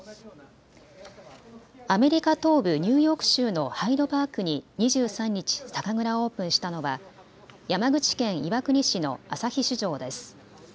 アメリカ東部ニューヨーク州のハイドパークに２３日、酒蔵をオープンしたのは山口県岩国市の旭酒造です。